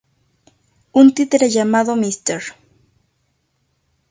Un títere llamado Mr.